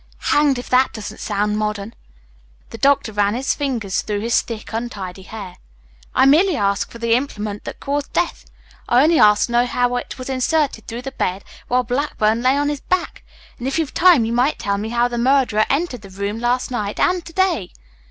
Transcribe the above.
Hanged if that doesn't sound modern." The doctor ran his fingers through his thick, untidy hair. "I merely ask for the implement that caused death. I only ask to know how it was inserted through the bed while Blackburn lay on his back. And if you've time you might tell me how the murderer entered the room last night and to day."